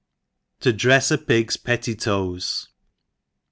\' To drefs a Pig's Pettitoes.